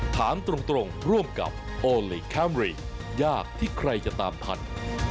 ถามตรงร่วมกับโอลี่คัมรี่ยากที่ใครจะตามทัน